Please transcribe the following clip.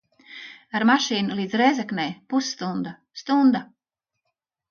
Ar mašīnu līdz Rēzeknei pusstunda, stunda.